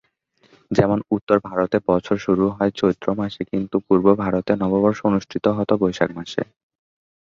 যেমন উত্তর ভারতে বছর শুরু হত চৈত্র মাসে কিন্তু পূর্ব ভারতে নববর্ষ অনুষ্ঠিত হত বৈশাখ মাসে।